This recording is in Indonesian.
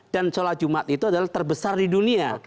dan solat jumat itu adalah terbesar di dunia